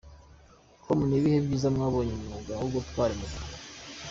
com : Ni ibihe byiza wabonye mu mwuga wo gutwara moto ?.